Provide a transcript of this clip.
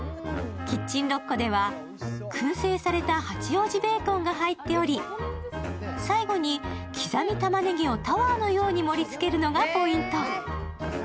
キッチンロッコでは、くん製された八王子ベーコンが入っており、最後に刻みたまねぎをタワーのように盛りつけるのがポイント。